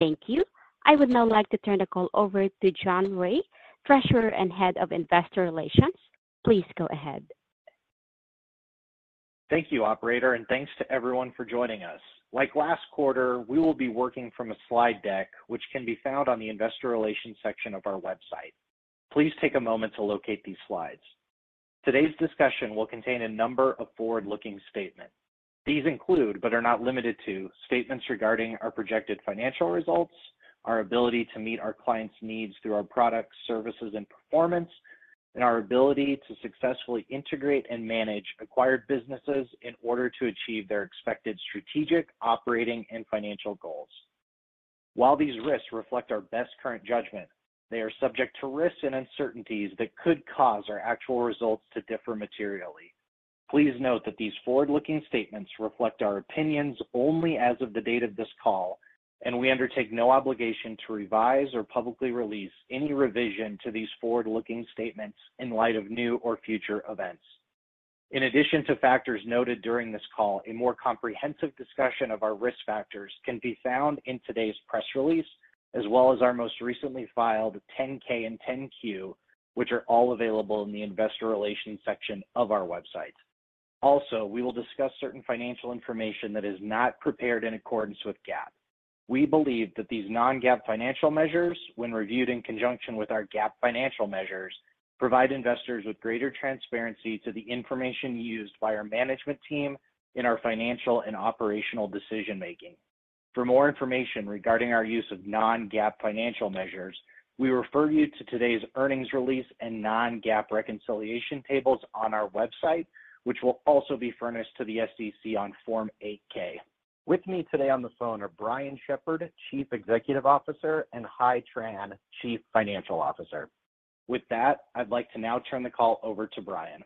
Thank you. I would now like to turn the call over to John Rea, Treasurer and Head of Investor Relations. Please go ahead. Thank you, Operator, and thanks to everyone for joining us. Like last quarter, we will be working from a slide deck which can be found on the Investor Relations section of our website. Please take a moment to locate these slides. Today's discussion will contain a number of forward-looking statements. These include, but are not limited to, statements regarding our projected financial results, our ability to meet our clients' needs through our products, services, and performance, and our ability to successfully integrate and manage acquired businesses in order to achieve their expected strategic, operating, and financial goals. While these risks reflect our best current judgment, they are subject to risks and uncertainties that could cause our actual results to differ materially. Please note that these forward-looking statements reflect our opinions only as of the date of this call, and we undertake no obligation to revise or publicly release any revision to these forward-looking statements in light of new or future events. In addition to factors noted during this call, a more comprehensive discussion of our risk factors can be found in today's press release, as well as our most recently filed 10-K and 10-Q, which are all available in the Investor Relations section of our website. Also, we will discuss certain financial information that is not prepared in accordance with GAAP. We believe that these non-GAAP financial measures, when reviewed in conjunction with our GAAP financial measures, provide investors with greater transparency to the information used by our management team in our financial and operational decision-making. For more information regarding our use of non-GAAP financial measures, we refer you to today's earnings release and non-GAAP reconciliation tables on our website, which will also be furnished to the SEC on Form 8-K. With me today on the phone are Brian Shepherd, Chief Executive Officer, and Hai Tran, Chief Financial Officer. With that, I'd like to now turn the call over to Brian.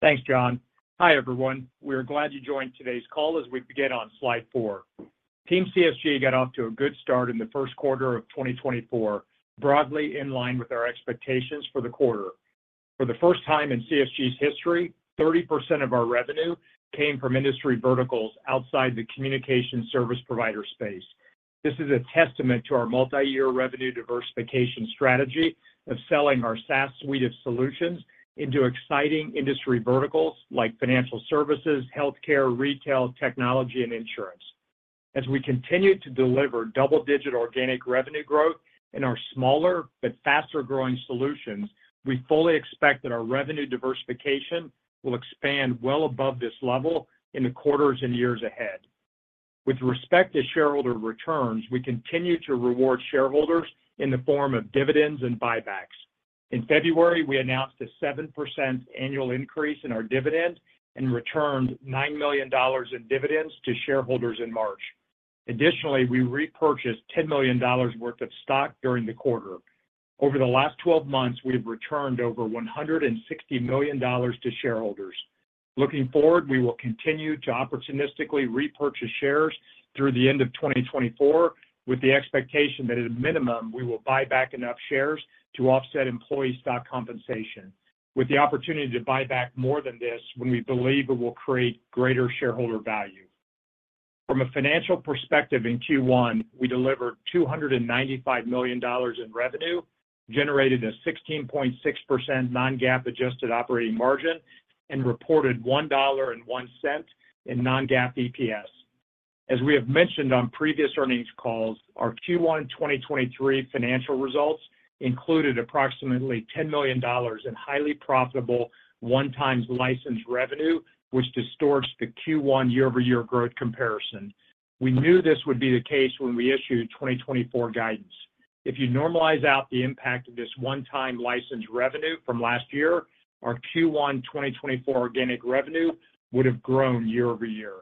Thanks, John. Hi everyone. We are glad you joined today's call as we begin on Slide 4. Team CSG got off to a good start in the first quarter of 2024, broadly in line with our expectations for the quarter. For the first time in CSG's history, 30% of our revenue came from industry verticals outside the communication service provider space. This is a testament to our multi-year revenue diversification strategy of selling our SaaS suite of solutions into exciting industry verticals like financial services, healthcare, retail, technology, and insurance. As we continue to deliver double-digit organic revenue growth in our smaller but faster-growing solutions, we fully expect that our revenue diversification will expand well above this level in the quarters and years ahead. With respect to shareholder returns, we continue to reward shareholders in the form of dividends and buybacks. In February, we announced a 7% annual increase in our dividend and returned $9 million in dividends to shareholders in March. Additionally, we repurchased $10 million worth of stock during the quarter. Over the last 12 months, we have returned over $160 million to shareholders. Looking forward, we will continue to opportunistically repurchase shares through the end of 2024 with the expectation that, at a minimum, we will buy back enough shares to offset employee stock compensation, with the opportunity to buy back more than this when we believe it will create greater shareholder value. From a financial perspective in Q1, we delivered $295 million in revenue, generated a 16.6% non-GAAP adjusted operating margin, and reported $1.01 in non-GAAP EPS. As we have mentioned on previous earnings calls, our Q1 2023 financial results included approximately $10 million in highly profitable one-time license revenue, which distorts the Q1 year-over-year growth comparison. We knew this would be the case when we issued 2024 guidance. If you normalize out the impact of this one-time license revenue from last year, our Q1 2024 organic revenue would have grown year-over-year.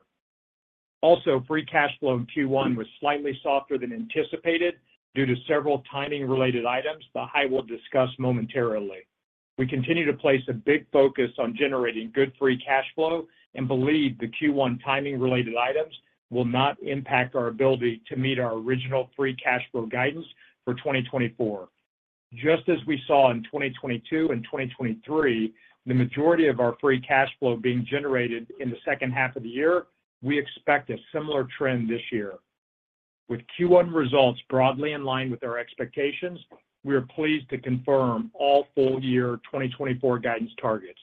Also, free cash flow in Q1 was slightly softer than anticipated due to several timing-related items that Hai will discuss momentarily. We continue to place a big focus on generating good free cash flow and believe the Q1 timing-related items will not impact our ability to meet our original free cash flow guidance for 2024. Just as we saw in 2022 and 2023, the majority of our free cash flow being generated in the second half of the year, we expect a similar trend this year. With Q1 results broadly in line with our expectations, we are pleased to confirm all full-year 2024 guidance targets.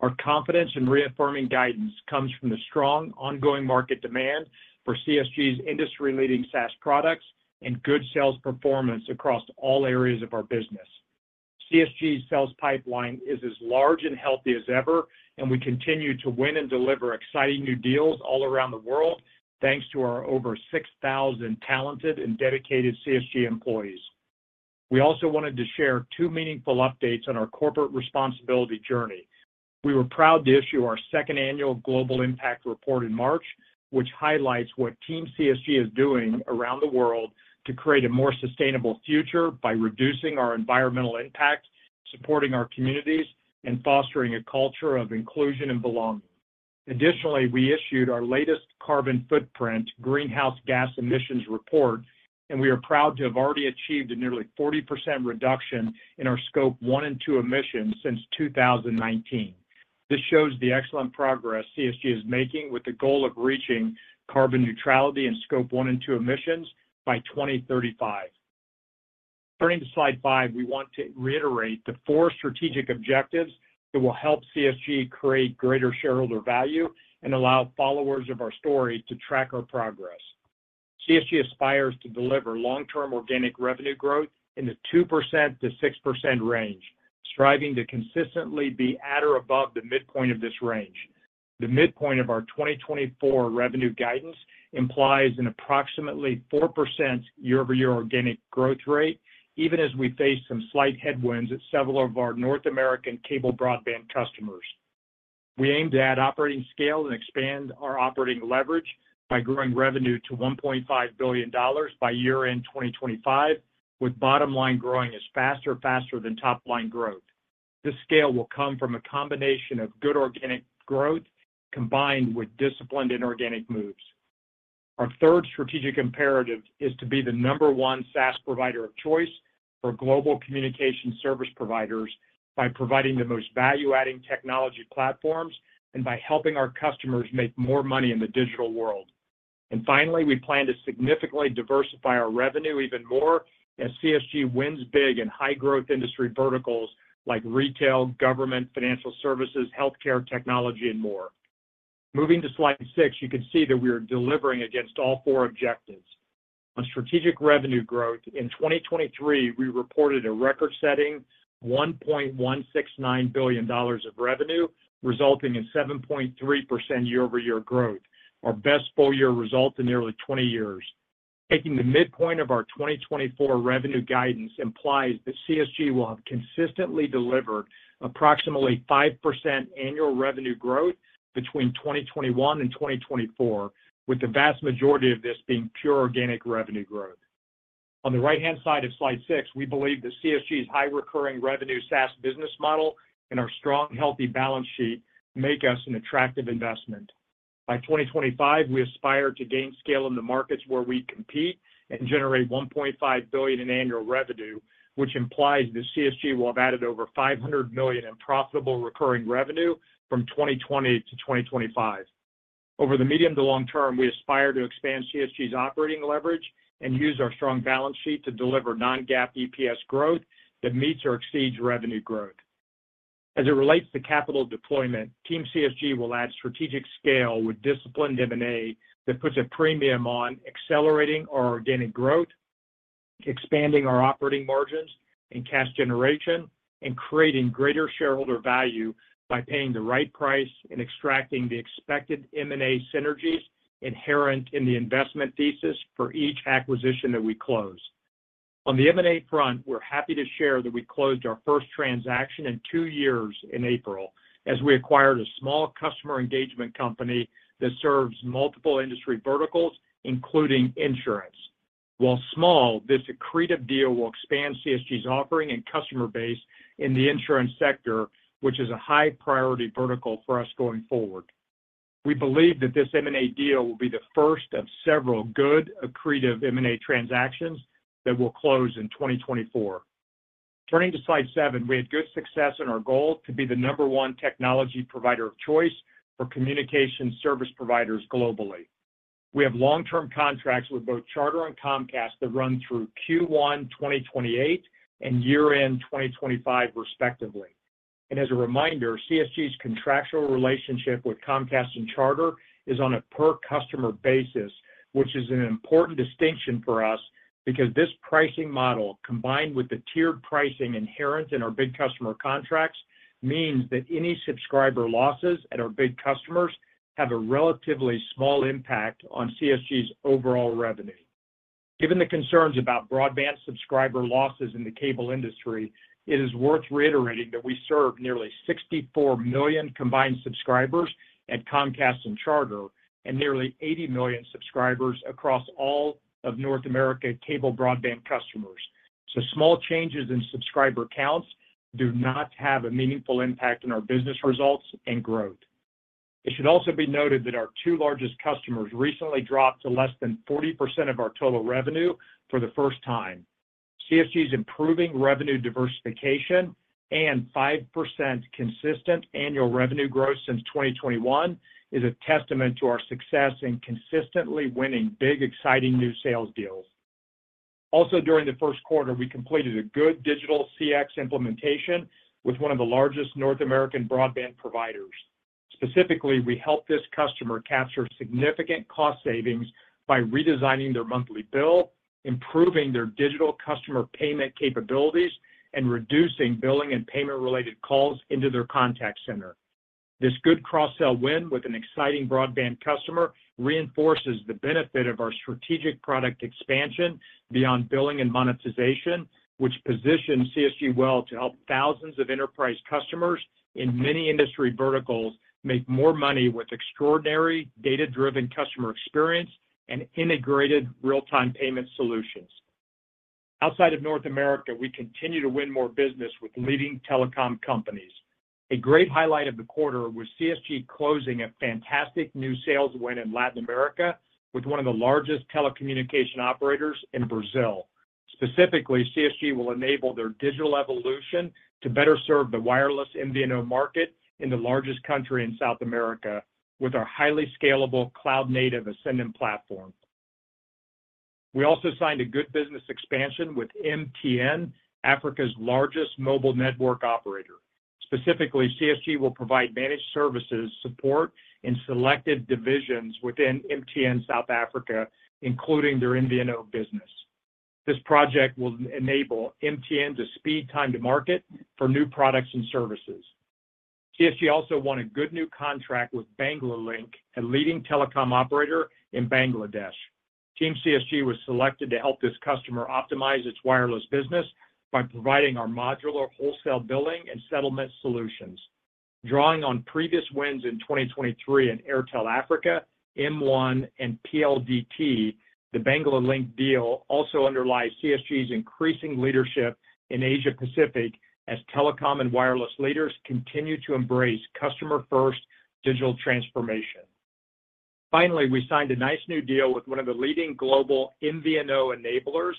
Our confidence in reaffirming guidance comes from the strong ongoing market demand for CSG's industry-leading SaaS products and good sales performance across all areas of our business. CSG's sales pipeline is as large and healthy as ever, and we continue to win and deliver exciting new deals all around the world thanks to our over 6,000 talented and dedicated CSG employees. We also wanted to share two meaningful updates on our corporate responsibility journey. We were proud to issue our second annual Global Impact Report in March, which highlights what Team CSG is doing around the world to create a more sustainable future by reducing our environmental impact, supporting our communities, and fostering a culture of inclusion and belonging. Additionally, we issued our latest carbon footprint greenhouse gas emissions report, and we are proud to have already achieved a nearly 40% reduction in our Scope 1 and 2 emissions since 2019. This shows the excellent progress CSG is making with the goal of reaching carbon neutrality in Scope 1 and 2 emissions by 2035. Turning to Slide 5, we want to reiterate the four strategic objectives that will help CSG create greater shareholder value and allow followers of our story to track our progress. CSG aspires to deliver long-term organic revenue growth in the 2%-6% range, striving to consistently be at or above the midpoint of this range. The midpoint of our 2024 revenue guidance implies an approximately 4% year-over-year organic growth rate, even as we face some slight headwinds at several of our North American cable broadband customers. We aim to add operating scale and expand our operating leverage by growing revenue to $1.5 billion by year-end 2025, with bottom line growing as faster, faster than top line growth. This scale will come from a combination of good organic growth combined with disciplined inorganic moves. Our third strategic imperative is to be the number one SaaS provider of choice for global communication service providers by providing the most value-adding technology platforms and by helping our customers make more money in the digital world. Finally, we plan to significantly diversify our revenue even more as CSG wins big in high-growth industry verticals like retail, government, financial services, healthcare, technology, and more. Moving to Slide 6, you can see that we are delivering against all four objectives. On strategic revenue growth, in 2023, we reported a record-setting $1.169 billion of revenue, resulting in 7.3% year-over-year growth, our best full-year result in nearly 20 years. Taking the midpoint of our 2024 revenue guidance implies that CSG will have consistently delivered approximately 5% annual revenue growth between 2021 and 2024, with the vast majority of this being pure organic revenue growth. On the right-hand side of Slide 6, we believe that CSG's high-recurring revenue SaaS business model and our strong, healthy balance sheet make us an attractive investment. By 2025, we aspire to gain scale in the markets where we compete and generate $1.5 billion in annual revenue, which implies that CSG will have added over $500 million in profitable recurring revenue from 2020 to 2025. Over the medium to long term, we aspire to expand CSG's operating leverage and use our strong balance sheet to deliver non-GAAP EPS growth that meets or exceeds revenue growth. As it relates to capital deployment, Team CSG will add strategic scale with disciplined M&A that puts a premium on accelerating our organic growth, expanding our operating margins and cash generation, and creating greater shareholder value by paying the right price and extracting the expected M&A synergies inherent in the investment thesis for each acquisition that we close. On the M&A front, we're happy to share that we closed our first transaction in two years in April as we acquired a small customer engagement company that serves multiple industry verticals, including insurance. While small, this accretive deal will expand CSG's offering and customer base in the insurance sector, which is a high-priority vertical for us going forward. We believe that this M&A deal will be the first of several good accretive M&A transactions that will close in 2024. Turning to Slide 7, we had good success in our goal to be the number one technology provider of choice for communication service providers globally. We have long-term contracts with both Charter and Comcast that run through Q1 2028 and year-end 2025, respectively. As a reminder, CSG's contractual relationship with Comcast and Charter is on a per-customer basis, which is an important distinction for us because this pricing model, combined with the tiered pricing inherent in our big customer contracts, means that any subscriber losses at our big customers have a relatively small impact on CSG's overall revenue. Given the concerns about broadband subscriber losses in the cable industry, it is worth reiterating that we serve nearly 64 million combined subscribers at Comcast and Charter and nearly 80 million subscribers across all of North America cable broadband customers. So small changes in subscriber counts do not have a meaningful impact on our business results and growth. It should also be noted that our two largest customers recently dropped to less than 40% of our total revenue for the first time. CSG's improving revenue diversification and 5% consistent annual revenue growth since 2021 is a testament to our success in consistently winning big, exciting new sales deals. Also, during the first quarter, we completed a good digital CX implementation with one of the largest North American broadband providers. Specifically, we helped this customer capture significant cost savings by redesigning their monthly bill, improving their digital customer payment capabilities, and reducing billing and payment-related calls into their contact center. This good cross-sell win with an exciting broadband customer reinforces the benefit of our strategic product expansion beyond billing and monetization, which positions CSG well to help thousands of enterprise customers in many industry verticals make more money with extraordinary data-driven customer experience and integrated real-time payment solutions. Outside of North America, we continue to win more business with leading telecom companies. A great highlight of the quarter was CSG closing a fantastic new sales win in Latin America with one of the largest telecommunication operators in Brazil. Specifically, CSG will enable their digital evolution to better serve the wireless MVNO market in the largest country in South America with our highly scalable cloud-native Ascendon platform. We also signed a good business expansion with MTN, Africa's largest mobile network operator. Specifically, CSG will provide managed services support in selected divisions within MTN South Africa, including their MVNO business. This project will enable MTN to speed time to market for new products and services. CSG also won a good new contract with Banglalink, a leading telecom operator in Bangladesh. Team CSG was selected to help this customer optimize its wireless business by providing our modular wholesale billing and settlement solutions. Drawing on previous wins in 2023 in Airtel Africa, M1, and PLDT, the Banglalink deal also underlies CSG's increasing leadership in Asia-Pacific as telecom and wireless leaders continue to embrace customer-first digital transformation. Finally, we signed a nice new deal with one of the leading global MVNO enablers.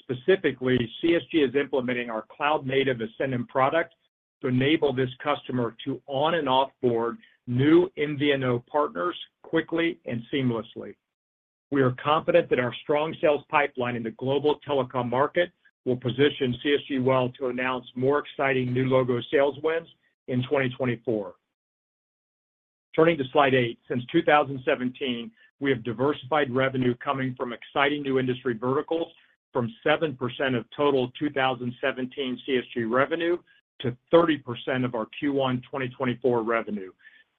Specifically, CSG is implementing our cloud-native Ascendon product to enable this customer to onboard and offboard new MVNO partners quickly and seamlessly. We are confident that our strong sales pipeline in the global telecom market will position CSG well to announce more exciting new logo sales wins in 2024. Turning to Slide 8, since 2017, we have diversified revenue coming from exciting new industry verticals from 7% of total 2017 CSG revenue to 30% of our Q1 2024 revenue,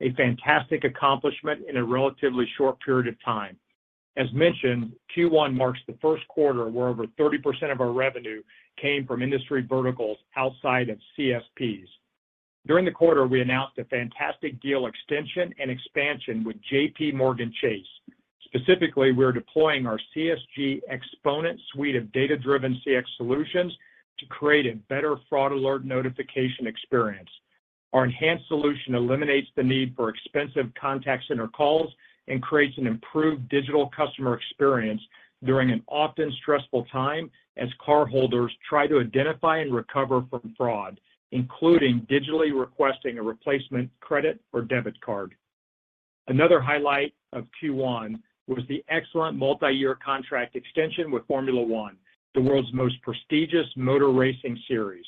a fantastic accomplishment in a relatively short period of time. As mentioned, Q1 marks the first quarter where over 30% of our revenue came from industry verticals outside of CSPs. During the quarter, we announced a fantastic deal extension and expansion with JPMorgan Chase. Specifically, we are deploying our CSG Xponent suite of data-driven CX solutions to create a better fraud alert notification experience. Our enhanced solution eliminates the need for expensive contact center calls and creates an improved digital customer experience during an often stressful time as cardholders try to identify and recover from fraud, including digitally requesting a replacement credit or debit card. Another highlight of Q1 was the excellent multi-year contract extension with Formula One, the world's most prestigious motor racing series.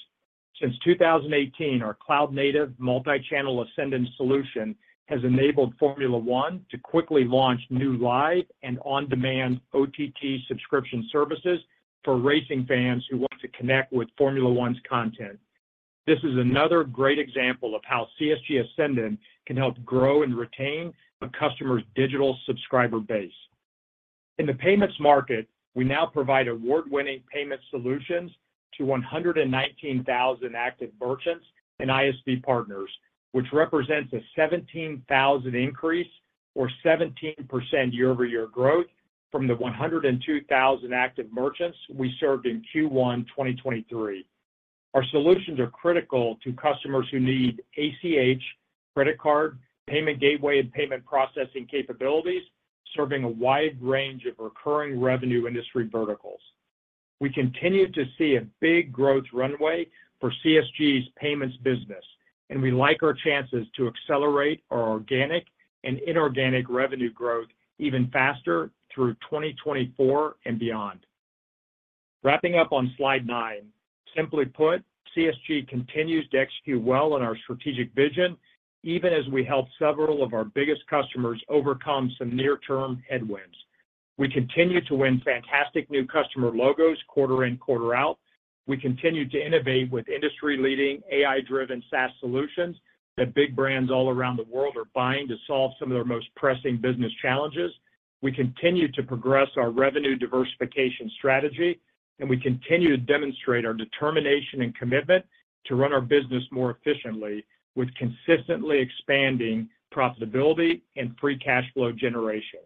Since 2018, our cloud-native multi-channel Ascendon solution has enabled Formula One to quickly launch new live and on-demand OTT subscription services for racing fans who want to connect with Formula One's content. This is another great example of how CSG Ascendon can help grow and retain a customer's digital subscriber base. In the payments market, we now provide award-winning payment solutions to 119,000 active merchants and ISV partners, which represents a 17,000 increase or 17% year-over-year growth from the 102,000 active merchants we served in Q1 2023. Our solutions are critical to customers who need ACH, credit card, payment gateway, and payment processing capabilities, serving a wide range of recurring revenue industry verticals. We continue to see a big growth runway for CSG's payments business, and we like our chances to accelerate our organic and inorganic revenue growth even faster through 2024 and beyond. Wrapping up on Slide 9, simply put, CSG continues to execute well on our strategic vision, even as we help several of our biggest customers overcome some near-term headwinds. We continue to win fantastic new customer logos quarter in, quarter out. We continue to innovate with industry-leading AI-driven SaaS solutions that big brands all around the world are buying to solve some of their most pressing business challenges. We continue to progress our revenue diversification strategy, and we continue to demonstrate our determination and commitment to run our business more efficiently with consistently expanding profitability and free cash flow generation.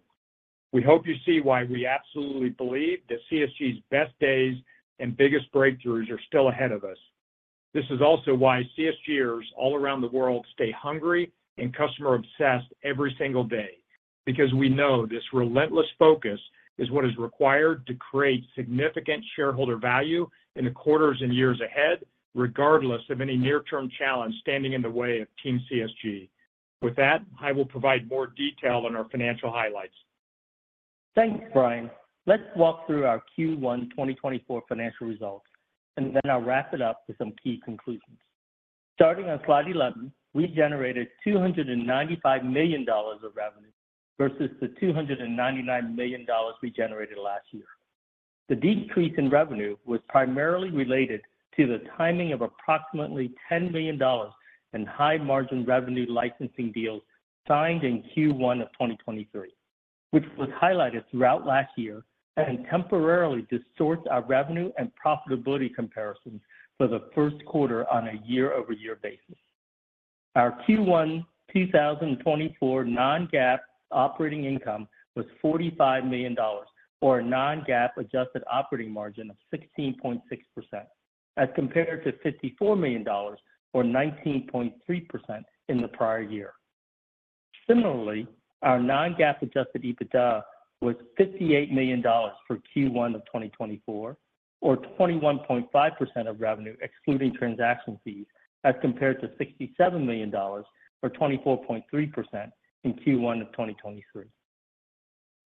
We hope you see why we absolutely believe that CSG's best days and biggest breakthroughs are still ahead of us. This is also why CSGers all around the world stay hungry and customer-obsessed every single day, because we know this relentless focus is what is required to create significant shareholder value in the quarters and years ahead, regardless of any near-term challenge standing in the way of Team CSG. With that, I will provide more detail on our financial highlights. Thanks, Brian. Let's walk through our Q1 2024 financial results, and then I'll wrap it up with some key conclusions. Starting on Slide 11, we generated $295 million of revenue versus the $299 million we generated last year. The decrease in revenue was primarily related to the timing of approximately $10 million in high-margin revenue licensing deals signed in Q1 of 2023, which was highlighted throughout last year and temporarily distorts our revenue and profitability comparisons for the first quarter on a year-over-year basis. Our Q1 2024 non-GAAP operating income was $45 million, or a non-GAAP adjusted operating margin of 16.6%, as compared to $54 million, or 19.3%, in the prior year. Similarly, our non-GAAP adjusted EBITDA was $58 million for Q1 of 2024, or 21.5% of revenue excluding transaction fees, as compared to $67 million, or 24.3%, in Q1 of 2023.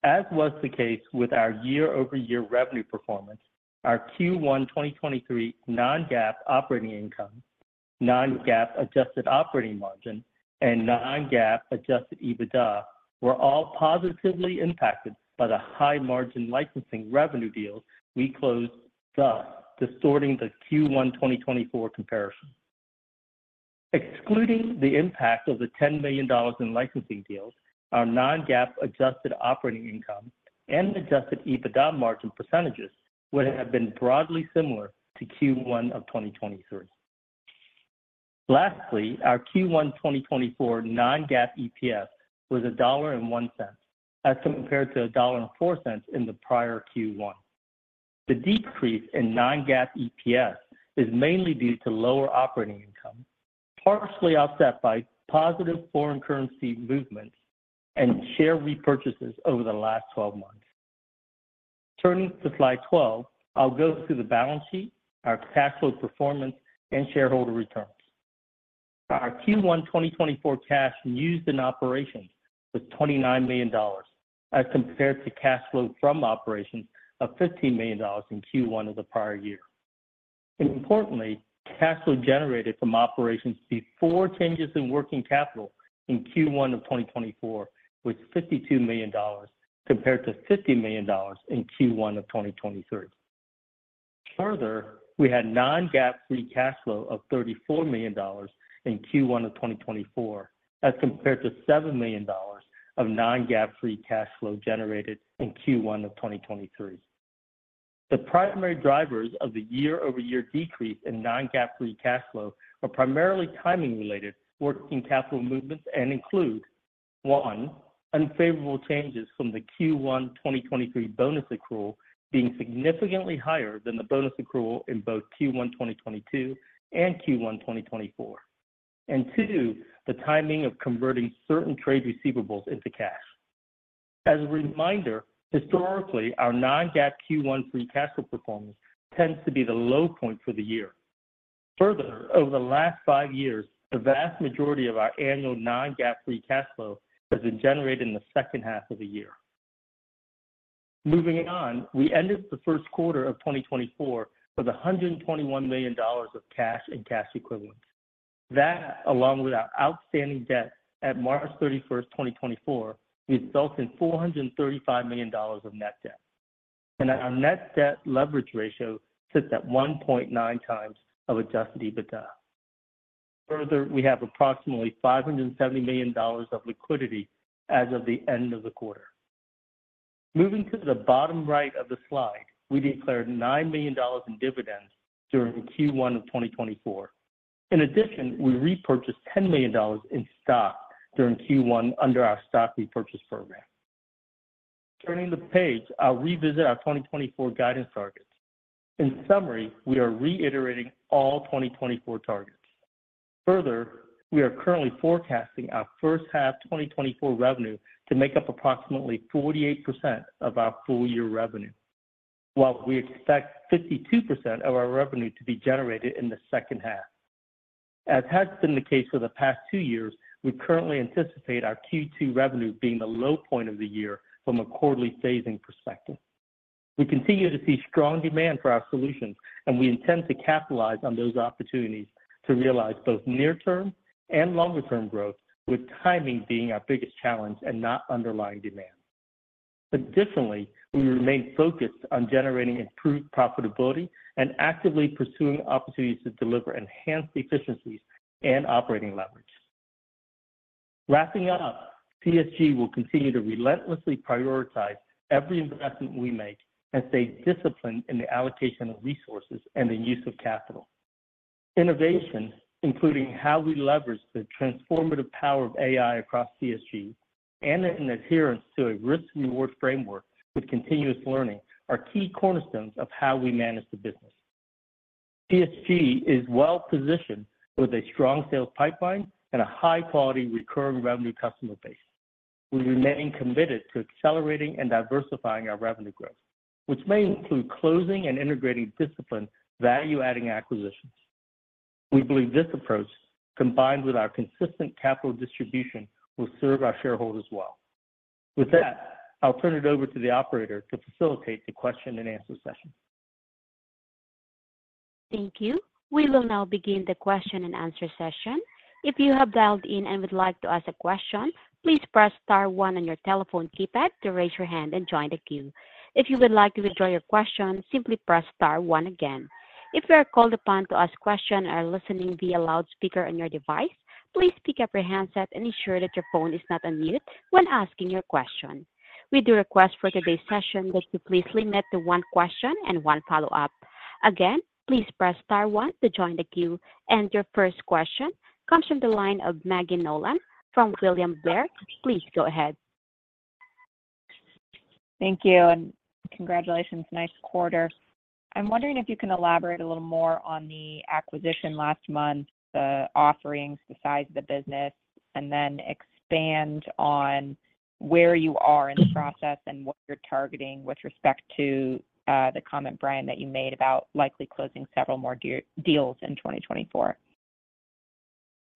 As was the case with our year-over-year revenue performance, our Q1 2023 non-GAAP operating income, non-GAAP adjusted operating margin, and non-GAAP adjusted EBITDA were all positively impacted by the high-margin licensing revenue deals we closed, thus distorting the Q1 2024 comparison. Excluding the impact of the $10 million in licensing deals, our non-GAAP adjusted operating income and adjusted EBITDA margin percentages would have been broadly similar to Q1 of 2023. Lastly, our Q1 2024 non-GAAP EPS was $1.01, as compared to $1.04 in the prior Q1. The decrease in non-GAAP EPS is mainly due to lower operating income, partially offset by positive foreign currency movements and share repurchases over the last 12 months. Turning to Slide 12, I'll go through the balance sheet, our cash flow performance, and shareholder returns. Our Q1 2024 cash used in operations was $29 million, as compared to cash flow from operations of $15 million in Q1 of the prior year. Importantly, cash flow generated from operations before changes in working capital in Q1 of 2024 was $52 million, compared to $50 million in Q1 of 2023. Further, we had non-GAAP free cash flow of $34 million in Q1 of 2024, as compared to $7 million of non-GAAP free cash flow generated in Q1 of 2023. The primary drivers of the year-over-year decrease in non-GAAP free cash flow are primarily timing-related working capital movements and include, one, unfavorable changes from the Q1 2023 bonus accrual being significantly higher than the bonus accrual in both Q1 2022 and Q1 2024, and two, the timing of converting certain trade receivables into cash. As a reminder, historically, our non-GAAP Q1 free cash flow performance tends to be the low point for the year. Further, over the last five years, the vast majority of our annual non-GAAP free cash flow has been generated in the second half of the year. Moving on, we ended the first quarter of 2024 with $121 million of cash and cash equivalents. That, along with our outstanding debt at March 31, 2024, resulted in $435 million of net debt. Our net debt leverage ratio sits at 1.9 times of adjusted EBITDA. Further, we have approximately $570 million of liquidity as of the end of the quarter. Moving to the bottom right of the slide, we declared $9 million in dividends during Q1 of 2024. In addition, we repurchased $10 million in stock during Q1 under our stock repurchase program. Turning the page, I'll revisit our 2024 guidance targets. In summary, we are reiterating all 2024 targets. Further, we are currently forecasting our first half 2024 revenue to make up approximately 48% of our full-year revenue, while we expect 52% of our revenue to be generated in the second half. As has been the case for the past two years, we currently anticipate our Q2 revenue being the low point of the year from a quarterly phasing perspective. We continue to see strong demand for our solutions, and we intend to capitalize on those opportunities to realize both near-term and longer-term growth, with timing being our biggest challenge and not underlying demand. Additionally, we remain focused on generating improved profitability and actively pursuing opportunities to deliver enhanced efficiencies and operating leverage. Wrapping up, CSG will continue to relentlessly prioritize every investment we make and stay disciplined in the allocation of resources and the use of capital. Innovation, including how we leverage the transformative power of AI across CSG and an adherence to a risk-reward framework with continuous learning, are key cornerstones of how we manage the business. CSG is well-positioned with a strong sales pipeline and a high-quality recurring revenue customer base. We remain committed to accelerating and diversifying our revenue growth, which may include closing and integrating disciplined value-adding acquisitions. We believe this approach, combined with our consistent capital distribution, will serve our shareholders well. With that, I'll turn it over to the operator to facilitate the question-and-answer session. Thank you. We will now begin the question-and-answer session. If you have dialed in and would like to ask a question, please press star one on your telephone keypad to raise your hand and join the queue. If you would like to withdraw your question, simply press star one again. If you are called upon to ask a question or are listening via loudspeaker on your device, please pick up your handset and ensure that your phone is not unmuted when asking your question. We do request for today's session that you please limit to one question and one follow-up. Again, please press star one to join the queue. Your first question comes from the line of Maggie Nolan from William Blair. Please go ahead. Thank you, and congratulations. Nice quarter. I'm wondering if you can elaborate a little more on the acquisition last month, the offerings, the size of the business, and then expand on where you are in the process and what you're targeting with respect to the comment, Brian, that you made about likely closing several more deals in 2024.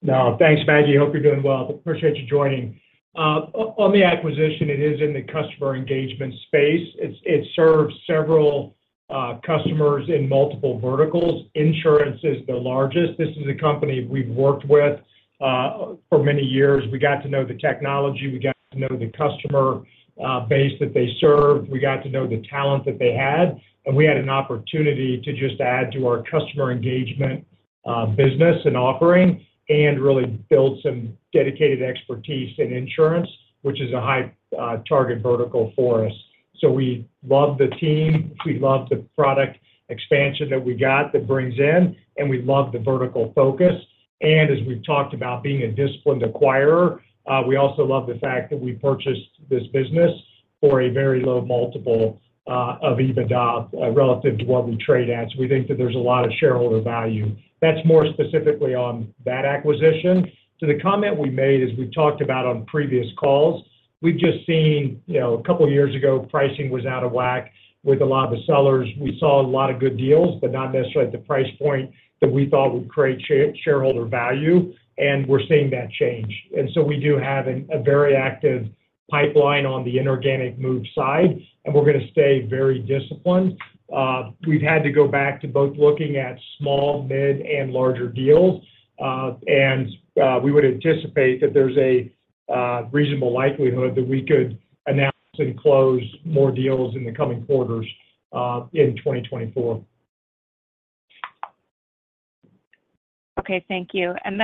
No, thanks, Maggie. Hope you're doing well. Appreciate you joining. On the acquisition, it is in the customer engagement space. It serves several customers in multiple verticals. Insurance is the largest. This is a company we've worked with for many years. We got to know the technology. We got to know the customer base that they served. We got to know the talent that they had. And we had an opportunity to just add to our customer engagement business and offering and really build some dedicated expertise in insurance, which is a high-target vertical for us. So we love the team. We love the product expansion that we got that brings in, and we love the vertical focus. And as we've talked about, being a disciplined acquirer, we also love the fact that we purchased this business for a very low multiple of EBITDA relative to what we trade at. So we think that there's a lot of shareholder value. That's more specifically on that acquisition. To the comment we made, as we've talked about on previous calls, we've just seen a couple of years ago, pricing was out of whack with a lot of the sellers. We saw a lot of good deals, but not necessarily at the price point that we thought would create shareholder value. And we're seeing that change. And so we do have a very active pipeline on the inorganic move side, and we're going to stay very disciplined. We've had to go back to both looking at small, mid, and larger deals. And we would anticipate that there's a reasonable likelihood that we could announce and close more deals in the coming quarters in 2024. Okay, thank you. And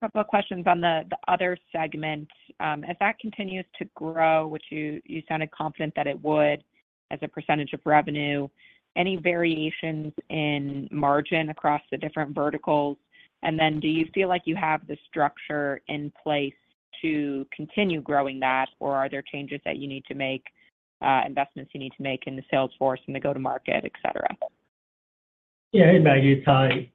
then a couple of questions on the other segment. As that continues to grow, which you sounded confident that it would as a percentage of revenue, any variations in margin across the different verticals? And then do you feel like you have the structure in place to continue growing that, or are there changes that you need to make, investments you need to make in the sales force and the go-to-market, etc.? Yeah, hey, Maggie. It's Hai.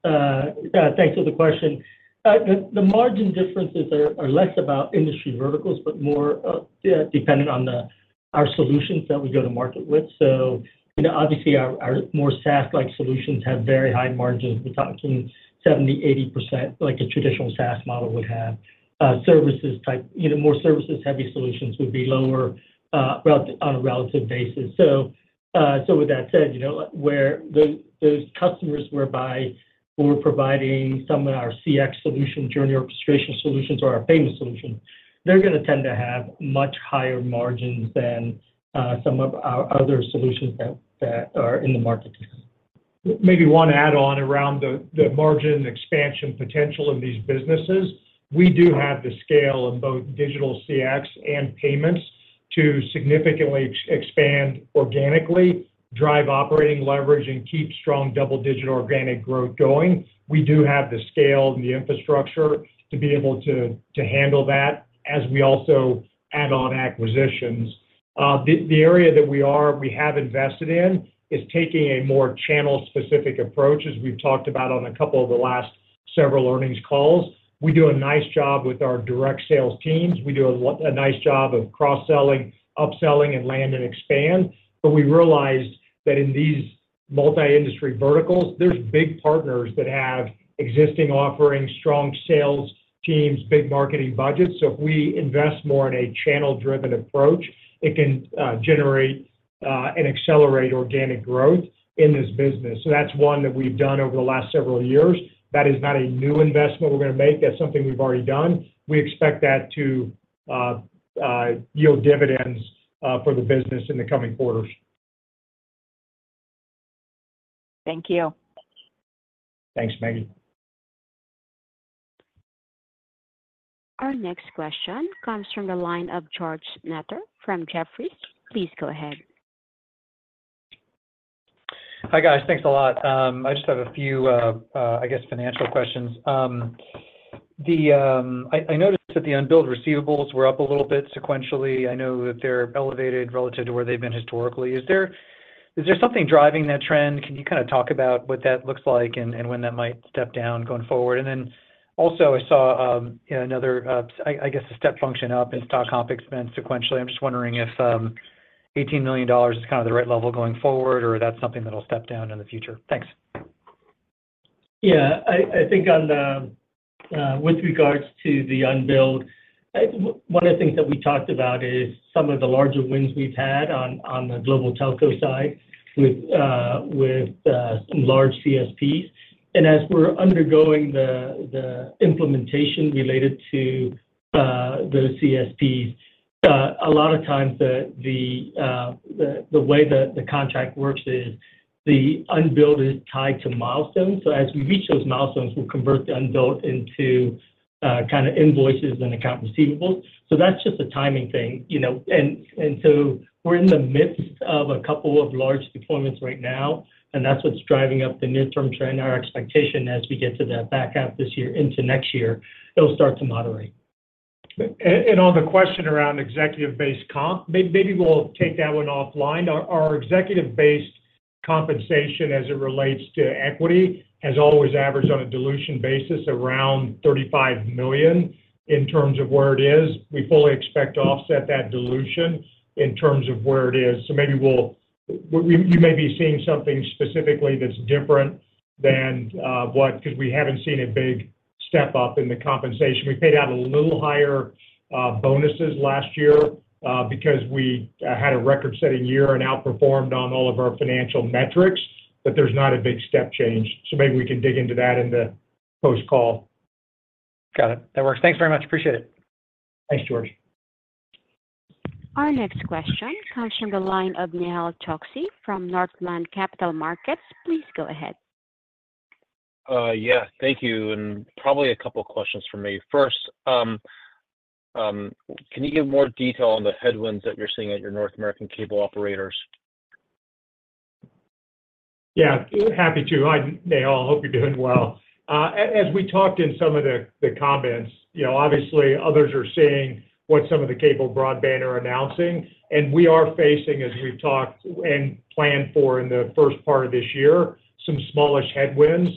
Thanks for the question. The margin differences are less about industry verticals, but more dependent on our solutions that we go to market with. So obviously, our more SaaS-like solutions have very high margins. We're talking 70%-80%, like a traditional SaaS model would have. Services-type, more services-heavy solutions would be lower on a relative basis. So with that said, those customers whereby we're providing some of our CX solutions, journey orchestration solutions, or our payment solutions, they're going to tend to have much higher margins than some of our other solutions that are in the market today. Maybe one add-on around the margin expansion potential in these businesses. We do have the scale in both digital CX and payments to significantly expand organically, drive operating leverage, and keep strong double-digit organic growth going. We do have the scale and the infrastructure to be able to handle that as we also add on acquisitions. The area that we have invested in is taking a more channel-specific approach, as we've talked about on a couple of the last several earnings calls. We do a nice job with our direct sales teams. We do a nice job of cross-selling, upselling, and land and expand. But we realized that in these multi-industry verticals, there's big partners that have existing offerings, strong sales teams, big marketing budgets. So if we invest more in a channel-driven approach, it can generate and accelerate organic growth in this business. So that's one that we've done over the last several years. That is not a new investment we're going to make. That's something we've already done. We expect that to yield dividends for the business in the coming quarters. Thank you. Thanks, Maggie. Our next question comes from the line of George Notter from Jefferies. Please go ahead. Hi, guys. Thanks a lot. I just have a few, I guess, financial questions. I noticed that the unbilled receivables were up a little bit sequentially. I know that they're elevated relative to where they've been historically. Is there something driving that trend? Can you kind of talk about what that looks like and when that might step down going forward? And then also, I saw another, I guess, a step function up in stock comp expense sequentially. I'm just wondering if $18 million is kind of the right level going forward, or that's something that'll step down in the future. Thanks. Yeah. I think with regards to the unbilled, one of the things that we talked about is some of the larger wins we've had on the global telco side with large CSPs. And as we're undergoing the implementation related to those CSPs, a lot of times the way that the contract works is the unbilled is tied to milestones. So as we reach those milestones, we'll convert the unbilled into kind of invoices and accounts receivable. So that's just a timing thing. And so we're in the midst of a couple of large deployments right now, and that's what's driving up the near-term trend. Our expectation as we get to that back half this year into next year, it'll start to moderate. On the question around executive-based comp, maybe we'll take that one offline. Our executive-based compensation as it relates to equity has always averaged on a dilution basis around 35 million in terms of where it is. We fully expect to offset that dilution in terms of where it is. So maybe you may be seeing something specifically that's different than what because we haven't seen a big step up in the compensation. We paid out a little higher bonuses last year because we had a record-setting year and outperformed on all of our financial metrics, but there's not a big step change. So maybe we can dig into that in the post-call. Got it. That works. Thanks very much. Appreciate it. Thanks, George. Our next question comes from the line of Nehal Chokshi from Northland Capital Markets. Please go ahead. Yeah, thank you. Probably a couple of questions for me. First, can you give more detail on the headwinds that you're seeing at your North American cable operators? Yeah, happy to. Nehal, I hope you're doing well. As we talked in some of the comments, obviously, others are seeing what some of the cable broadband are announcing. We are facing, as we've talked and planned for in the first part of this year, some smallish headwinds.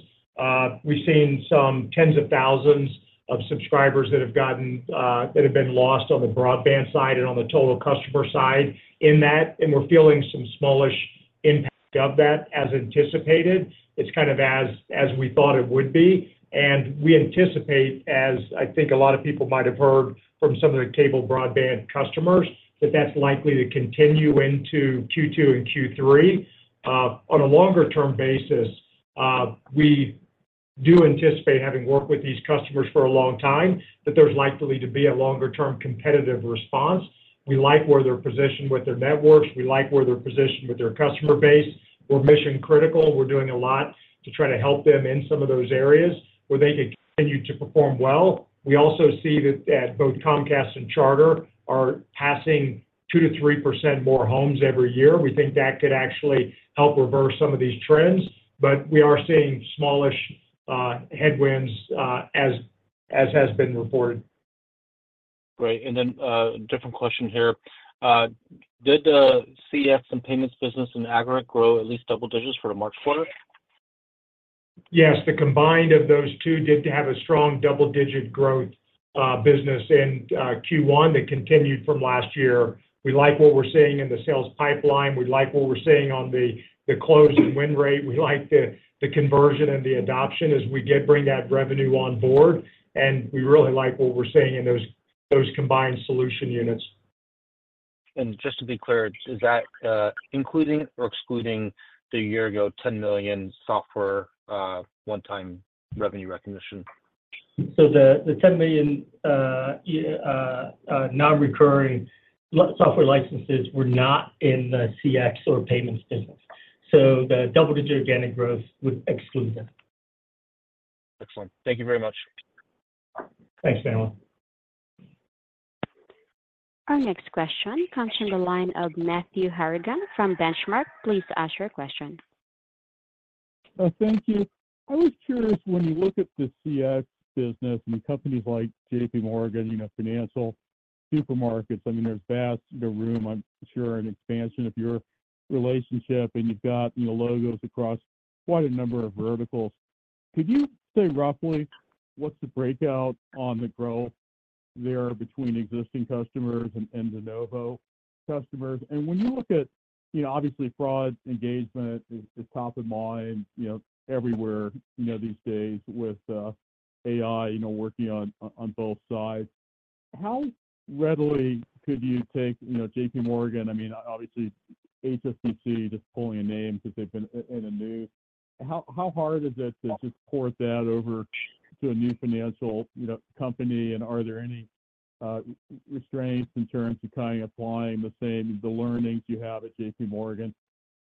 We've seen some tens of thousands of subscribers that have been lost on the broadband side and on the total customer side in that. We're feeling some smallish impact of that as anticipated. It's kind of as we thought it would be. We anticipate, as I think a lot of people might have heard from some of the cable broadband customers, that that's likely to continue into Q2 and Q3. On a longer-term basis, we do anticipate having worked with these customers for a long time, that there's likely to be a longer-term competitive response. We like where they're positioned with their networks. We like where they're positioned with their customer base. We're mission-critical. We're doing a lot to try to help them in some of those areas where they could continue to perform well. We also see that both Comcast and Charter are passing 2%-3% more homes every year. We think that could actually help reverse some of these trends. But we are seeing smallish headwinds as has been reported. Great. And then a different question here. Did the CX and payments business in Airtel grow at least double digits for the March quarter? Yes. The combined of those two did have a strong double-digit growth business in Q1 that continued from last year. We like what we're seeing in the sales pipeline. We like what we're seeing on the close and win rate. We like the conversion and the adoption as we did bring that revenue on board. We really like what we're seeing in those combined solution units. Just to be clear, is that including or excluding the year-ago $10 million software one-time revenue recognition? So the 10 million non-recurring software licenses were not in the CX or payments business. So the double-digit organic growth would exclude that. Excellent. Thank you very much. Thanks, Nihal. Our next question comes from the line of Matthew Harrigan from Benchmark. Please ask your question. Thank you. I was curious, when you look at the CX business and companies like J.P. Morgan, financial, supermarkets, I mean, there's vast room, I'm sure, in expansion of your relationship, and you've got logos across quite a number of verticals. Could you say roughly what's the breakout on the growth there between existing customers and de novo customers? And when you look at, obviously, fraud engagement is top of mind everywhere these days with AI working on both sides. How readily could you take JPMorgan? I mean, obviously, HSBC, just pulling a name because they've been in the news. How hard is it to just pour that over to a new financial company? And are there any restraints in terms of kind of applying the learnings you have at J.P. Morgan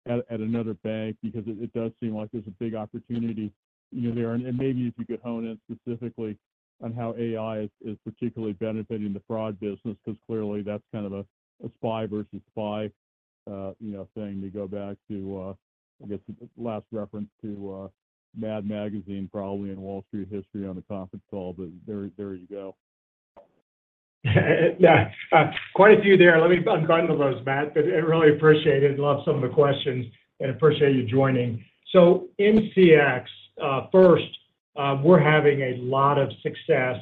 at another bank? Because it does seem like there's a big opportunity there. Maybe if you could hone in specifically on how AI is particularly benefiting the fraud business because clearly, that's kind of a Spy versus Spy thing. To go back to, I guess, last reference to Mad Magazine, probably in Wall Street history on the conference call, but there you go. Yeah, quite a few there. Let me unbundle those, Matt. But I really appreciate it and love some of the questions. And appreciate you joining. So in CX, first, we're having a lot of success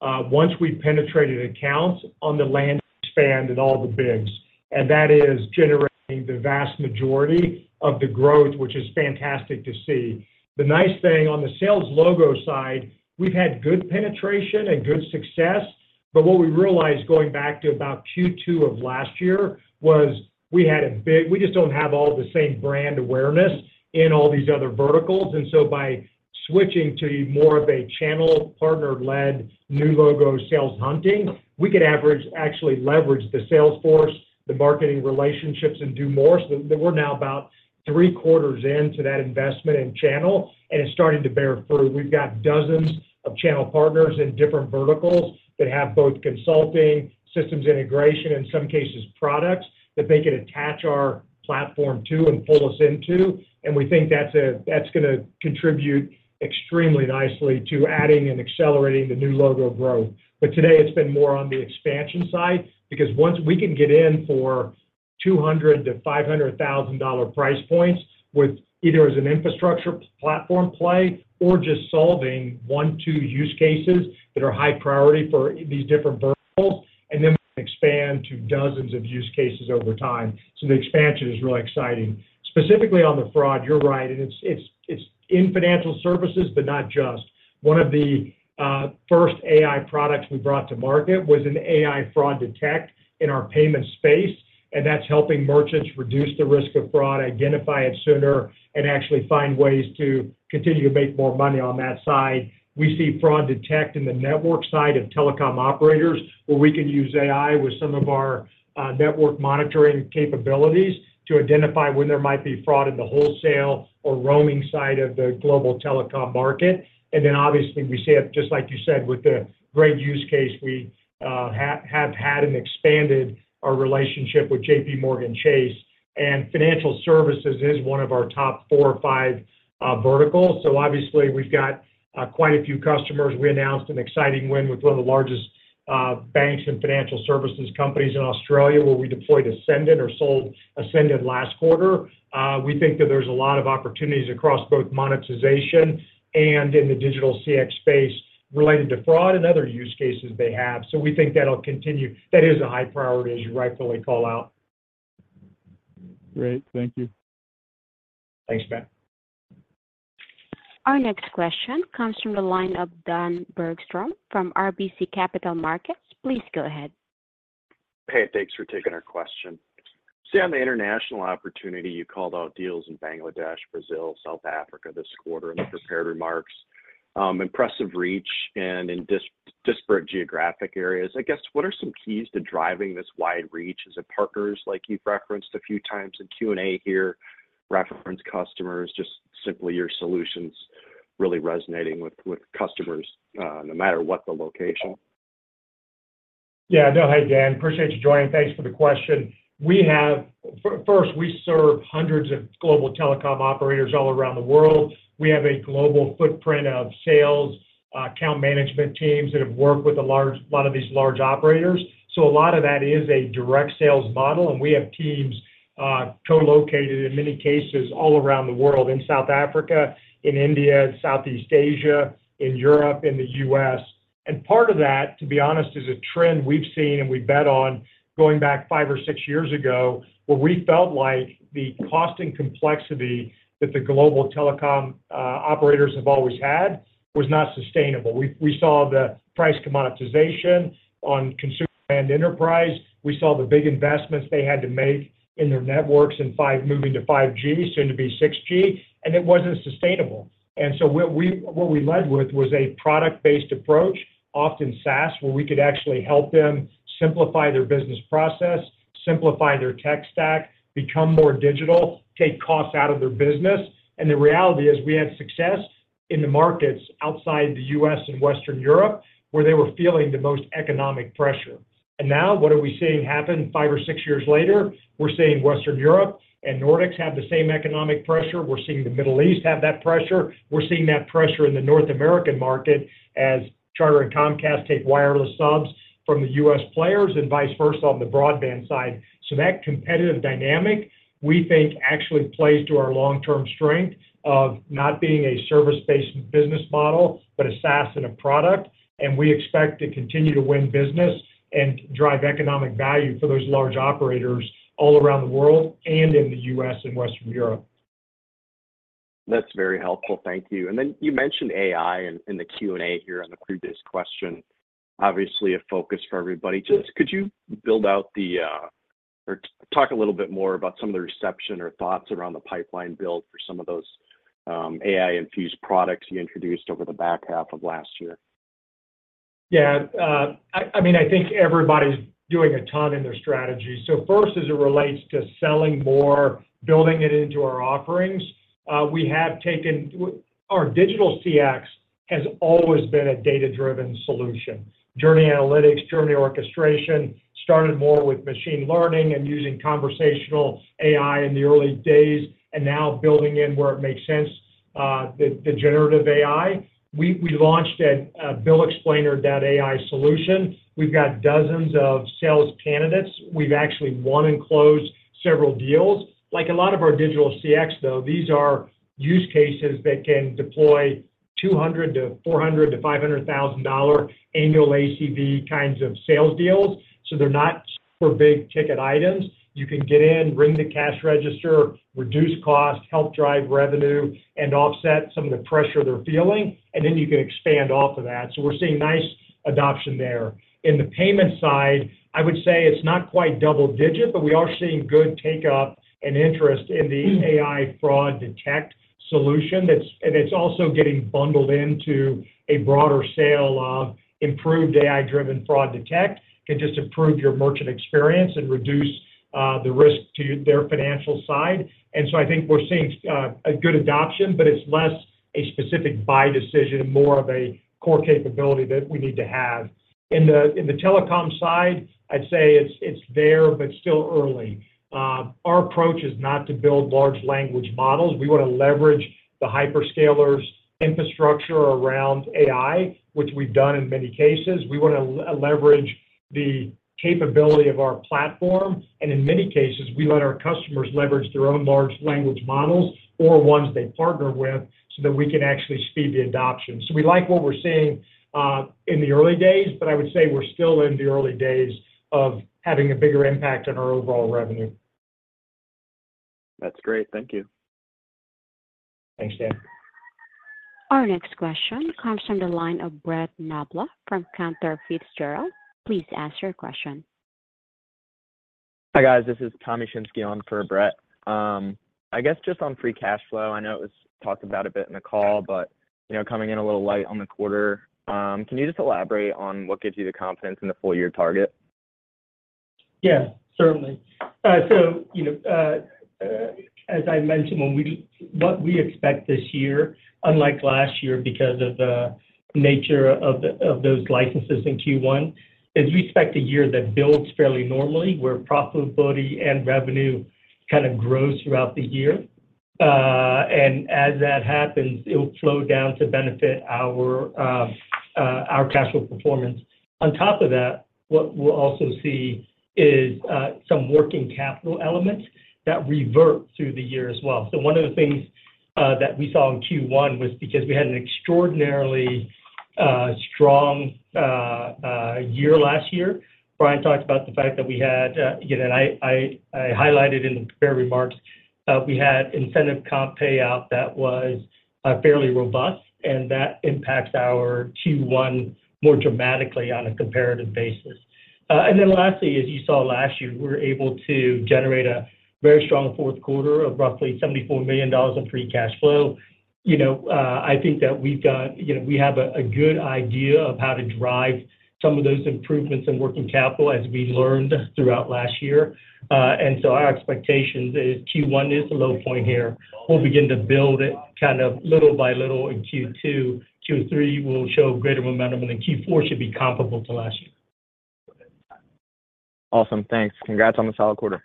once we've penetrated accounts on the land expand and all the bigs. And that is generating the vast majority of the growth, which is fantastic to see. The nice thing on the sales logo side, we've had good penetration and good success. But what we realized going back to about Q2 of last year was we had a big we just don't have all the same brand awareness in all these other verticals. And so by switching to more of a channel partner-led new logo sales hunting, we could actually leverage the sales force, the marketing relationships, and do more. So we're now about three quarters into that investment in channel, and it's starting to bear fruit. We've got dozens of channel partners in different verticals that have both consulting, systems integration, in some cases, products that they could attach our platform to and pull us into. And we think that's going to contribute extremely nicely to adding and accelerating the new logo growth. But today, it's been more on the expansion side because once we can get in for $200,000-$500,000 price points either as an infrastructure platform play or just solving one, two use cases that are high priority for these different verticals, and then we can expand to dozens of use cases over time. So the expansion is really exciting. Specifically on the fraud, you're right. And it's in financial services, but not just. One of the first AI products we brought to market was an AI fraud detect in our payment space. That's helping merchants reduce the risk of fraud, identify it sooner, and actually find ways to continue to make more money on that side. We see fraud detect in the network side of telecom operators, where we can use AI with some of our network monitoring capabilities to identify when there might be fraud in the wholesale or roaming side of the global telecom market. Then obviously, we see it just like you said with the great use case we have had and expanded our relationship with JPMorgan Chase. Financial services is one of our top four or five verticals. Obviously, we've got quite a few customers. We announced an exciting win with one of the largest banks and financial services companies in Australia, where we deployed Ascendon or sold Ascendon last quarter. We think that there's a lot of opportunities across both monetization and in the digital CX space related to fraud and other use cases they have. So we think that'll continue. That is a high priority, as you rightfully call out. Great. Thank you. Thanks, Matt. Our next question comes from the line of Dan Bergstrom from RBC Capital Markets. Please go ahead. Hey, thanks for taking our question. So on the international opportunity, you called out deals in Bangladesh, Brazil, South Africa this quarter in the prepared remarks, impressive reach in disparate geographic areas. I guess, what are some keys to driving this wide reach as partners like you've referenced a few times in Q&A here, referenced customers, just simply your solutions really resonating with customers no matter what the location? Yeah, no, hey, Dan. Appreciate you joining. Thanks for the question. First, we serve hundreds of global telecom operators all around the world. We have a global footprint of sales account management teams that have worked with a lot of these large operators. So a lot of that is a direct sales model. We have teams co-located in many cases all around the world in South Africa, in India, Southeast Asia, in Europe, in the U.S. Part of that, to be honest, is a trend we've seen and we bet on going back 5 or 6 years ago, where we felt like the cost and complexity that the global telecom operators have always had was not sustainable. We saw the price commoditization on consumer and enterprise. We saw the big investments they had to make in their networks and moving to 5G, soon to be 6G. And it wasn't sustainable. So what we led with was a product-based approach, often SaaS, where we could actually help them simplify their business process, simplify their tech stack, become more digital, take costs out of their business. The reality is we had success in the markets outside the U.S. and Western Europe where they were feeling the most economic pressure. Now, what are we seeing happen five or six years later? We're seeing Western Europe and Nordics have the same economic pressure. We're seeing the Middle East have that pressure. We're seeing that pressure in the North American market as Charter and Comcast take wireless subs from the U.S. players and vice versa on the broadband side. That competitive dynamic, we think, actually plays to our long-term strength of not being a service-based business model, but a SaaS and a product. We expect to continue to win business and drive economic value for those large operators all around the world and in the U.S. and Western Europe. That's very helpful. Thank you. And then you mentioned AI in the Q&A here on the previous question, obviously, a focus for everybody. Could you build out or talk a little bit more about some of the reception or thoughts around the pipeline build for some of those AI-infused products you introduced over the back half of last year? Yeah. I mean, I think everybody's doing a ton in their strategy. So first, as it relates to selling more, building it into our offerings, we have taken our digital CX, which has always been a data-driven solution. Journey analytics, journey orchestration started more with machine learning and using conversational AI in the early days, and now building in where it makes sense, the generative AI. We launched a Bill Explainer.ai solution. We've got dozens of sales candidates. We've actually won and closed several deals. Like a lot of our digital CX, though, these are use cases that can deploy $200,000-$400,000-$500,000 annual ACV kinds of sales deals. So they're not super big ticket items. You can get in, ring the cash register, reduce cost, help drive revenue, and offset some of the pressure they're feeling. And then you can expand off of that. So we're seeing nice adoption there. In the payment side, I would say it's not quite double-digit, but we are seeing good take-up and interest in the AI fraud detect solution. And it's also getting bundled into a broader sale of improved AI-driven fraud detect. It can just improve your merchant experience and reduce the risk to their financial side. And so I think we're seeing a good adoption, but it's less a specific buy decision, more of a core capability that we need to have. In the telecom side, I'd say it's there, but still early. Our approach is not to build large language models. We want to leverage the hyperscalers infrastructure around AI, which we've done in many cases. We want to leverage the capability of our platform. In many cases, we let our customers leverage their own large language models or ones they partner with so that we can actually speed the adoption. We like what we're seeing in the early days, but I would say we're still in the early days of having a bigger impact on our overall revenue. That's great. Thank you. Thanks, Dan. Our next question comes from the line of Brett Knoblauch from Cantor Fitzgerald. Please ask your question. Hi, guys. This is Thomas Shinske on for Brett. I guess just on free cash flow. I know it was talked about a bit in the call, but coming in a little light on the quarter. Can you just elaborate on what gives you the confidence in the full-year target? Yeah, certainly. So as I mentioned, what we expect this year, unlike last year because of the nature of those licenses in Q1, is we expect a year that builds fairly normally, where profitability and revenue kind of grow throughout the year. And as that happens, it'll flow down to benefit our cash flow performance. On top of that, what we'll also see is some working capital elements that revert through the year as well. So one of the things that we saw in Q1 was because we had an extraordinarily strong year last year. Brian talked about the fact that we had and I highlighted in the prepared remarks, we had incentive comp payout that was fairly robust. And that impacts our Q1 more dramatically on a comparative basis. And then lastly, as you saw last year, we were able to generate a very strong fourth quarter of roughly $74 million in free cash flow. I think that we have a good idea of how to drive some of those improvements in working capital as we learned throughout last year. And so our expectations is Q1 is the low point here. We'll begin to build it kind of little by little in Q2. Q3 will show greater momentum, and then Q4 should be comparable to last year. Awesome. Thanks. Congrats on the solid quarter.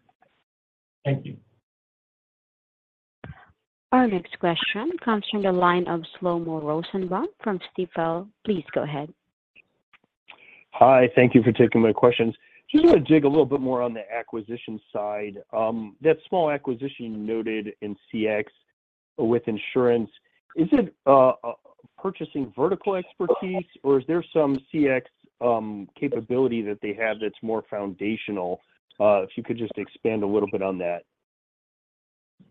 Thank you. Our next question comes from the line of Shlomo Rosenbaum from Stifel. Please go ahead. Hi. Thank you for taking my questions. I just want to dig a little bit more on the acquisition side. That small acquisition you noted in CX with insurance, is it purchasing vertical expertise, or is there some CX capability that they have that's more foundational? If you could just expand a little bit on that.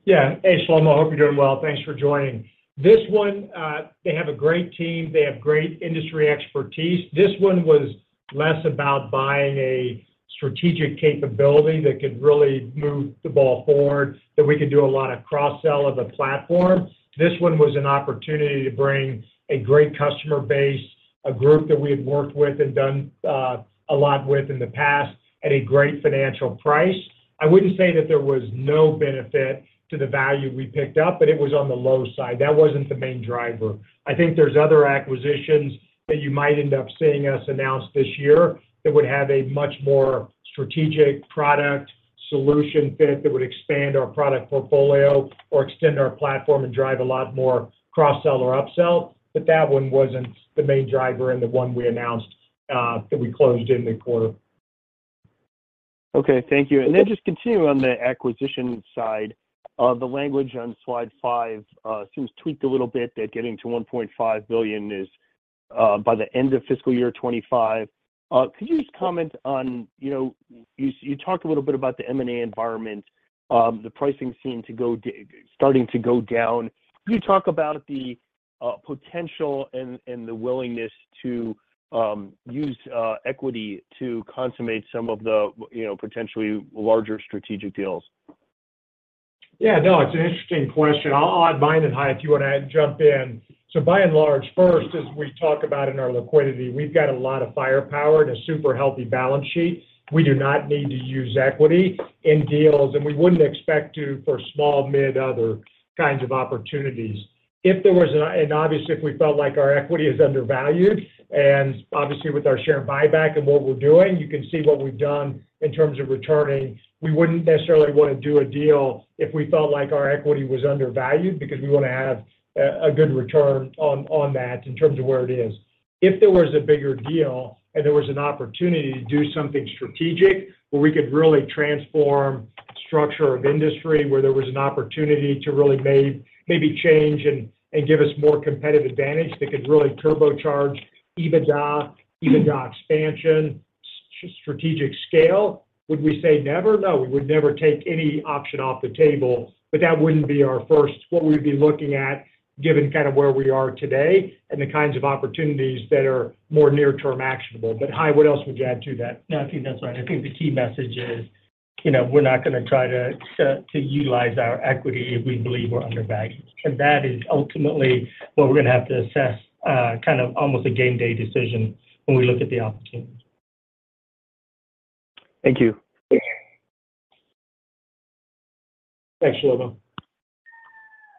Yeah. Hey, Shlomo. I hope you're doing well. Thanks for joining. This one, they have a great team. They have great industry expertise. This one was less about buying a strategic capability that could really move the ball forward, that we could do a lot of cross-sell of a platform. This one was an opportunity to bring a great customer base, a group that we had worked with and done a lot with in the past, at a great financial price. I wouldn't say that there was no benefit to the value we picked up, but it was on the low side. That wasn't the main driver. I think there's other acquisitions that you might end up seeing us announce this year that would have a much more strategic product solution fit that would expand our product portfolio or extend our platform and drive a lot more cross-sell or upsell. But that one wasn't the main driver, and the one we announced that we closed in the quarter. Okay. Thank you. And then just continuing on the acquisition side, the language on slide 5 seems tweaked a little bit that getting to $1.5 billion is by the end of fiscal year 2025. Could you just comment on you talked a little bit about the M&A environment, the pricing seeming to go starting to go down. Can you talk about the potential and the willingness to use equity to consummate some of the potentially larger strategic deals? Yeah. No, it's an interesting question. I'll add mine and Hai, if you want to jump in. So by and large, first, as we talk about in our liquidity, we've got a lot of firepower and a super healthy balance sheet. We do not need to use equity in deals, and we wouldn't expect to for small, mid, other kinds of opportunities. And obviously, if we felt like our equity is undervalued, and obviously, with our share buyback and what we're doing, you can see what we've done in terms of returning, we wouldn't necessarily want to do a deal if we felt like our equity was undervalued because we want to have a good return on that in terms of where it is. If there was a bigger deal and there was an opportunity to do something strategic where we could really transform structure of industry, where there was an opportunity to really maybe change and give us more competitive advantage that could really turbocharge EBITDA, EBITDA expansion, strategic scale, would we say never? No, we would never take any option off the table. But that wouldn't be our first what we'd be looking at given kind of where we are today and the kinds of opportunities that are more near-term actionable. But Hai, what else would you add to that? No, I think that's right. I think the key message is we're not going to try to utilize our equity if we believe we're undervalued. That is ultimately what we're going to have to assess kind of almost a game day decision when we look at the opportunity. Thank you. Thanks, Shlomo.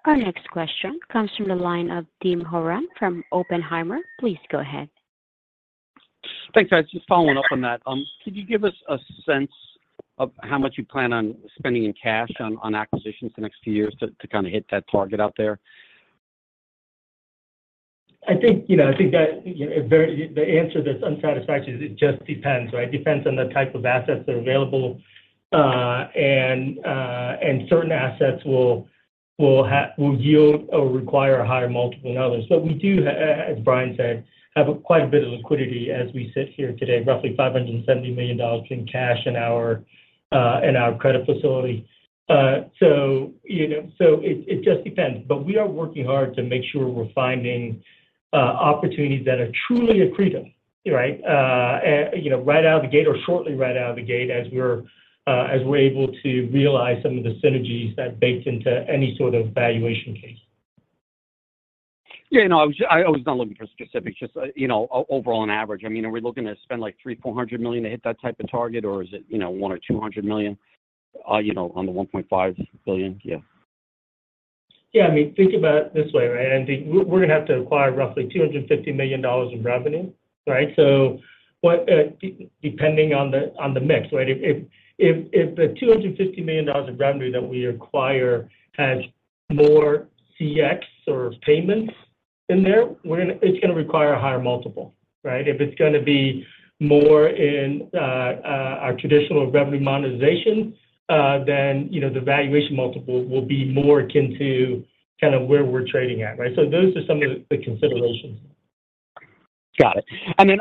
Our next question comes from the line of Tim Horan from Oppenheimer. Please go ahead. Thanks, guys. Just following up on that, could you give us a sense of how much you plan on spending in cash on acquisitions the next few years to kind of hit that target out there? I think that the answer that's unsatisfactory is it just depends, right? Depends on the type of assets that are available. And certain assets will yield or require a higher multiple than others. But we do, as Brian said, have quite a bit of liquidity as we sit here today, roughly $570 million in cash in our credit facility. So it just depends. But we are working hard to make sure we're finding opportunities that are truly accretive, right, right out of the gate or shortly right out of the gate as we're able to realize some of the synergies that baked into any sort of valuation case. Yeah. No, I was not looking for specifics, just overall and average. I mean, are we looking to spend like $300 million-$400 million to hit that type of target, or is it $100 million or $200 million on the $1.5 billion? Yeah. Yeah. I mean, think about it this way, right? I think we're going to have to acquire roughly $250 million in revenue, right? So depending on the mix, right, if the $250 million in revenue that we acquire has more CX or payments in there, it's going to require a higher multiple, right? If it's going to be more in our traditional revenue monetization, then the valuation multiple will be more akin to kind of where we're trading at, right? So those are some of the considerations. Got it. And then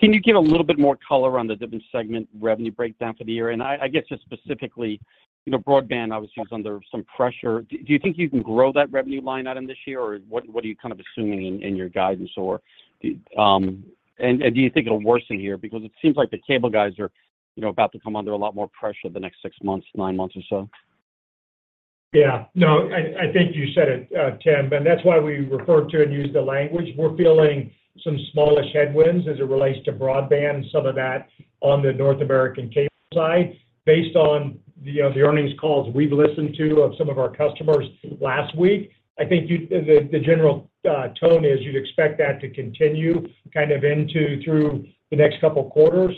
can you give a little bit more color on the different segment revenue breakdown for the year? And I guess just specifically, broadband, obviously, was under some pressure. Do you think you can grow that revenue line item this year, or what are you kind of assuming in your guidance? And do you think it'll worsen here? Because it seems like the cable guys are about to come under a lot more pressure the next six months, nine months or so. Yeah. No, I think you said it, Tim. That's why we referred to and used the language. We're feeling some smallish headwinds as it relates to broadband, some of that on the North American cable side. Based on the earnings calls we've listened to of some of our customers last week, I think the general tone is you'd expect that to continue kind of through the next couple of quarters.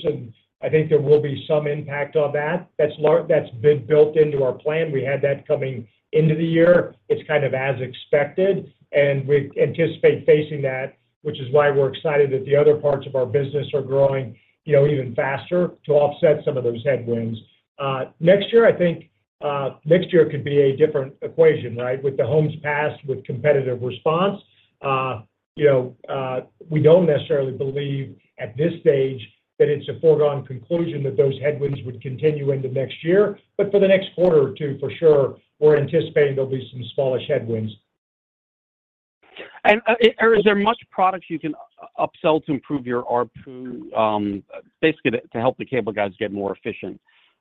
I think there will be some impact on that. That's been built into our plan. We had that coming into the year. It's kind of as expected. We anticipate facing that, which is why we're excited that the other parts of our business are growing even faster to offset some of those headwinds. Next year, I think next year could be a different equation, right, with the homes passed, with competitive response. We don't necessarily believe at this stage that it's a foregone conclusion that those headwinds would continue into next year. But for the next quarter or two, for sure, we're anticipating there'll be some smallish headwinds. Are there much products you can upsell to improve your ARPU, basically to help the cable guys get more efficient?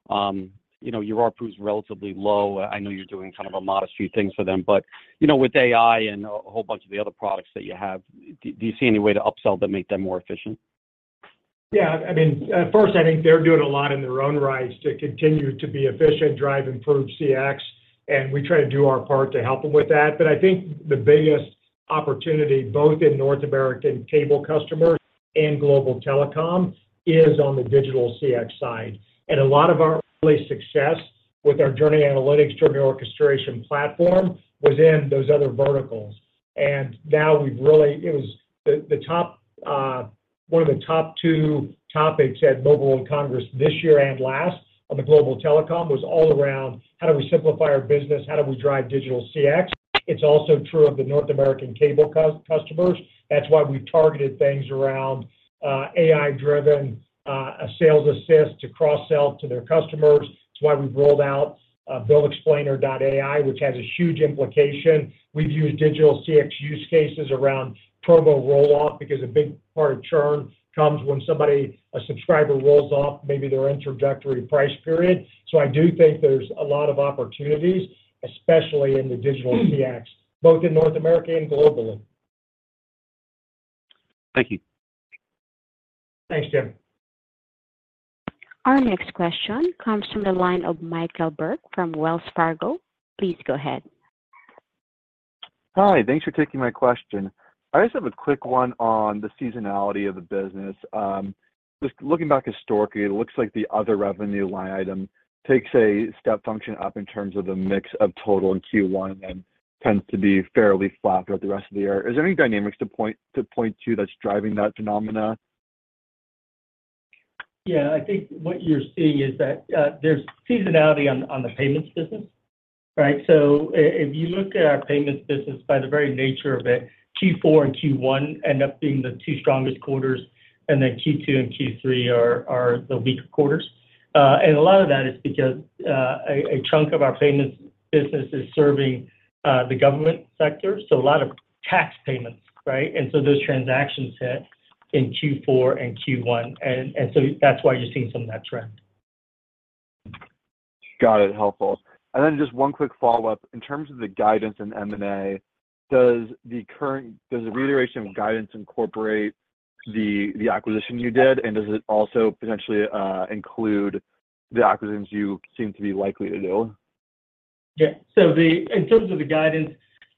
Your ARPU is relatively low. I know you're doing kind of a modest few things for them. With AI and a whole bunch of the other products that you have, do you see any way to upsell that make them more efficient? Yeah. I mean, first, I think they're doing a lot in their own right to continue to be efficient, drive improved CX. And we try to do our part to help them with that. But I think the biggest opportunity, both in North American cable customers and global telecom, is on the digital CX side. And a lot of our early success with our journey analytics, journey orchestration platform, was in those other verticals. And now we've really it was one of the top two topics at Mobile World Congress this year and last on the global telecom was all around, how do we simplify our business? How do we drive digital CX? It's also true of the North American cable customers. That's why we've targeted things around AI-driven Sales Assist to cross-sell to their customers. That's why we've rolled out Bill Explainer.ai, which has a huge implication. We've used digital CX use cases around promo roll-off because a big part of churn comes when somebody, a subscriber, rolls off maybe their introductory price period. So I do think there's a lot of opportunities, especially in the digital CX, both in North America and globally. Thank you. Thanks, Tim. Our next question comes from the line of Michael Berg from Wells Fargo. Please go ahead. Hi. Thanks for taking my question. I just have a quick one on the seasonality of the business. Just looking back historically, it looks like the other revenue line item takes a step function up in terms of the mix of total in Q1 and tends to be fairly flat throughout the rest of the year. Is there any dynamics to point to that's driving that phenomena? Yeah. I think what you're seeing is that there's seasonality on the payments business, right? So if you look at our payments business, by the very nature of it, Q4 and Q1 end up being the two strongest quarters, and then Q2 and Q3 are the weaker quarters. And a lot of that is because a chunk of our payments business is serving the government sector. So a lot of tax payments, right? And so that's why you're seeing some of that trend. Got it. Helpful. And then just one quick follow-up. In terms of the guidance and M&A, does the current reiteration of guidance incorporate the acquisition you did? And does it also potentially include the acquisitions you seem to be likely to do? Yeah. So in terms of the guidance,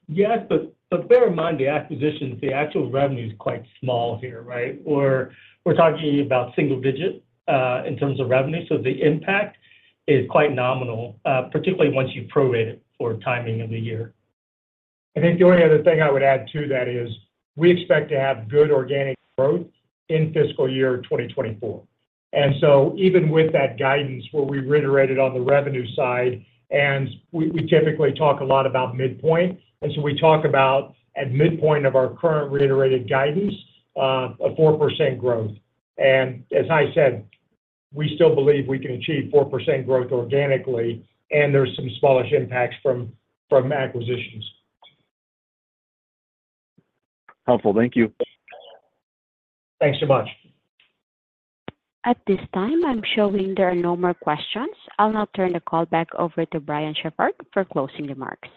yes. But bear in mind, the actual revenue is quite small here, right? We're talking about single-digit in terms of revenue. So the impact is quite nominal, particularly once you prorate it for timing of the year. I think the only other thing I would add to that is we expect to have good organic growth in fiscal year 2024. So even with that guidance, where we reiterated on the revenue side, and we typically talk a lot about midpoint. So we talk about, at midpoint of our current reiterated guidance, a 4% growth. And as Hai said, we still believe we can achieve 4% growth organically. And there's some smallish impacts from acquisitions. Helpful. Thank you. Thanks so much. At this time, I'm showing there are no more questions. I'll now turn the call back over to Brian Shepherd for closing remarks.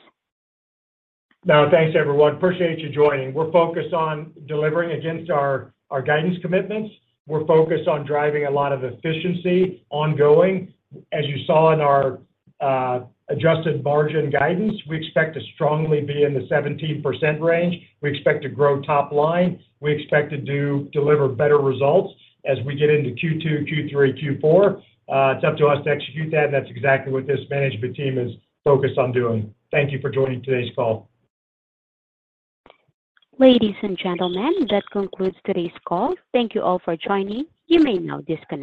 No, thanks, everyone. Appreciate you joining. We're focused on delivering against our guidance commitments. We're focused on driving a lot of efficiency ongoing. As you saw in our adjusted margin guidance, we expect to strongly be in the 17% range. We expect to grow top line. We expect to deliver better results as we get into Q2, Q3, Q4. It's up to us to execute that. And that's exactly what this management team is focused on doing. Thank you for joining today's call. Ladies and gentlemen, that concludes today's call. Thank you all for joining. You may now disconnect.